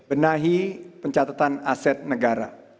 benahi pencatatan aset negara